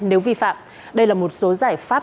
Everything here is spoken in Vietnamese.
nếu vi phạm đây là một số giải pháp